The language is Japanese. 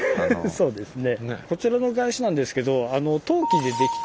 そうですね。